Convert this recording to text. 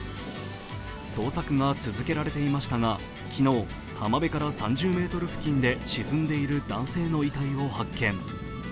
捜索が続けられていましたが昨日浜辺から３０ｍ付近で沈んでいる男性の遺体を発見。